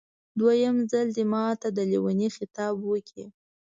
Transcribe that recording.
دویم ځل دې ماته د لېوني خطاب وکړ.